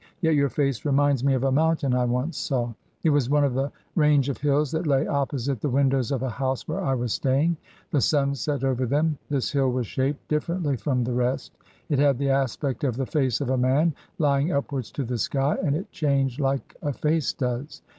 Yet your face reminds me of a mountain I once saw. It was one of a range of hills that lay opposite the windows of a house where I was staying. The sun set over them. This hill was shaped differently from the rest. It had the aspect of the face of a man lying upwards to the sky, and it changed like a face does.